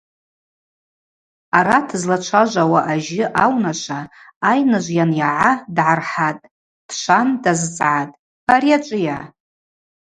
Арат злачважвауа ажьы аунашва айныжв йанйагӏа дгӏархӏатӏ, дшван дазцӏгӏатӏ: – Ари ачӏвыйа?